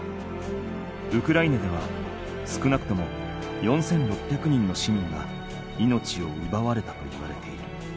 ウクライナでは少なくとも４，６００人の市民が命を奪われたといわれている。